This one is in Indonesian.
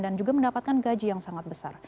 dan juga mendapatkan gaji yang sangat besar